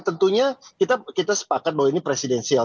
tentunya kita sepakat bahwa ini presidensial